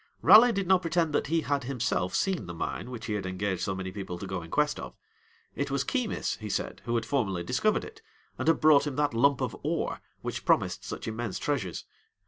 Raleigh did not pretend that he had himself seen the mine which he had engaged so many people to go in quest of: it was Keymis, he said, who had formerly discovered it, and had brought him that lump of ore, which promised such immense treasures.